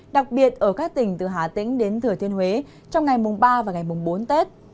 đặc biệt ở các tỉnh từ hà tĩnh đến thừa thiên huế trong ngày mùng ba và ngày mùng bốn tết